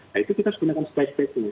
nah itu kita harus gunakan space spacing